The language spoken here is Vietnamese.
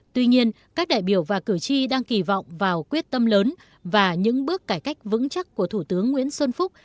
tuy nhiên các đại biểu và cử tri đang kỳ vọng vào quyết tâm lớn và những bước cải cách vững chắc của thủ tướng nguyễn xuân phúc